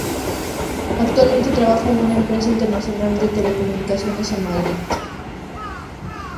Actualmente trabaja en una empresa internacional de Telecomunicaciones en Madrid.